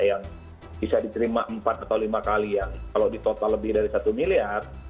yang bisa diterima empat atau lima kali yang kalau di total lebih dari satu miliar